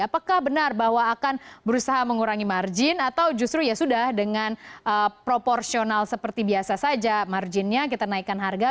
apakah benar bahwa akan berusaha mengurangi margin atau justru ya sudah dengan proporsional seperti biasa saja marginnya kita naikkan harga